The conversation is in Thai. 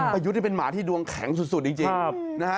ประยุทธ์นี่เป็นหมาที่ดวงแข็งสุดจริงนะฮะ